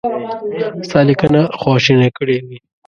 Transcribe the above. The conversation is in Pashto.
ستا لیکنه خواشینی کړی وي.